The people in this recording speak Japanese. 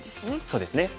そうですね。